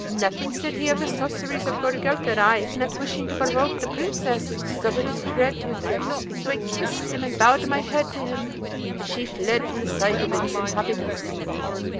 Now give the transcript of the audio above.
Nothing said he of the sorceries of Goorelka, and I, not wishing to provoke the Princess, suffered his dread to exist. So I kissed him, and bowed my head to him, and she fled from the sight of innocent happiness.